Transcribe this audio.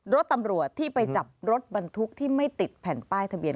รถตำรวจที่ไปจับรถบรรทุกที่ไม่ติดแผ่นป้ายทะเบีย